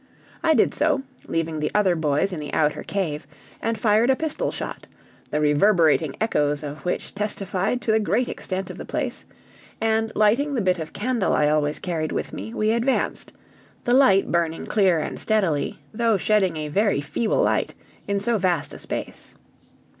I did so, leaving the other boys in the outer cave, and fired a pistol shot the reverberating echoes of which testified to the great extent of the place; and lighting the bit of candle I always carried with me, we advanced, the light burning clear and steadily, though shedding a very feeble light in so vast a space.